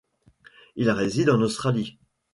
Il réside en Australie.